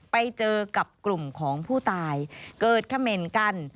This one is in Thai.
ไปเจอกับกลุ่มของผู้ตายเกิดเขม่นกัน